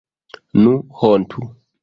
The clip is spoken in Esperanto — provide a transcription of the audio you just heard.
Nu, hontu!